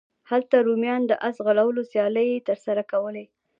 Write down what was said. هلته رومیانو د اس ځغلولو سیالۍ ترسره کولې.